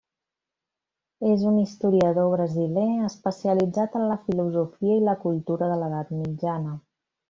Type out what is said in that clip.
És un historiador brasiler, especialitzat en la filosofia i la cultura de l'edat mitjana.